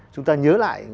chúng ta nhớ lại